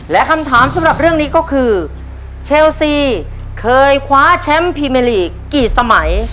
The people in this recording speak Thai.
และคำถามสำหรับเรื่องนี้ก็คือเชลซีเคยคว้าแชมป์พรีเมลีกกี่สมัย